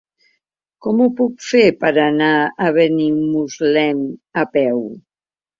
Com ho puc fer per anar a Benimuslem a peu?